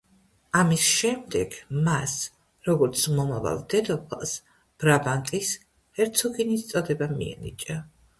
ამის შემდეგ მას, როგორც მომავალ დედოფალს ბრაბანტის ჰერცოგინიის წოდება მიენიჭა.